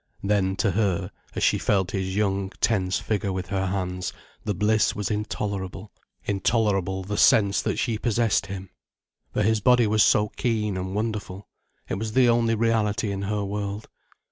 Then to her, as she felt his young, tense figure with her hands, the bliss was intolerable, intolerable the sense that she possessed him. For his body was so keen and wonderful, it was the only reality in her world.